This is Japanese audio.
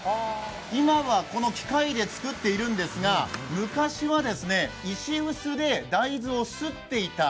今はこの機械で作っているんですが、昔は石臼で大豆をすっていた。